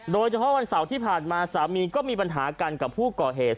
โดยเฉพาะวันเสาร์ที่ผ่านมาสามีก็มีปัญหากันกับผู้ก่อเหตุ